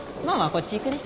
こっち行くね。